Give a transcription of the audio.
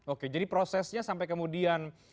oke jadi prosesnya sampai kemudian